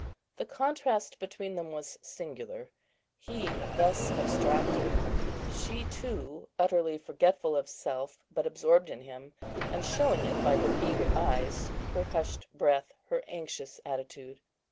The contrast between them was singular: he thus abstracted; she too, utterly forgetful of self, but absorbed in him, and showing it by her eager eyes, her hushed breath, her anxious attitude.